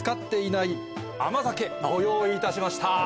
ご用意いたしました。